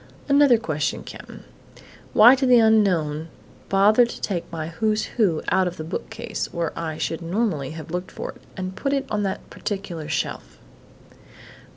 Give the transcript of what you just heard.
"Another question, Cap'n why did the unknown bother to take my 'Who's Who' out of the bookcase, where I should normally have looked for it, and put it on that particular shelf?"